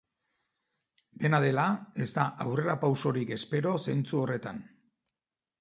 Dena dela, ez da aurrerapausorik espero zentzu horretan.